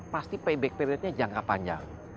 pasti payback periodnya jangka panjang